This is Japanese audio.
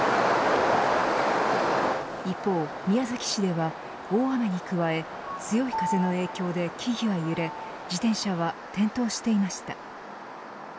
一方、宮崎市では大雨に加え強い風の影響で、木々が揺れ自転車は転倒していました。